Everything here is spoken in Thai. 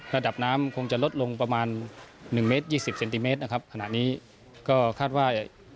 ระดับน้ำคงจะลดลงประมาณหนึ่งเมตรยี่สิบเซนติเมตรนะครับขณะนี้ก็คาดว่า